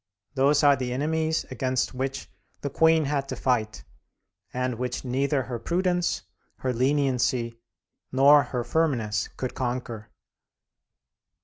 Those are the enemies against which the Queen had to fight, and which neither her prudence, her leniency, nor her firmness could conquer.